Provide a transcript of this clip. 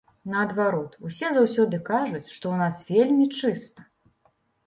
Наадварот усе заўсёды кажуць, што ў нас вельмі чыста.